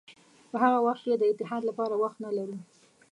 په هغه وخت کې د اتحاد لپاره وخت نه لرو.